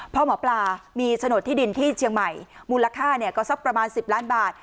เพราะหมอปลามีโฉนดที่ดินที่เชียงใหม่มูลค่าก็สักประมาณ๑๐ล้านบาท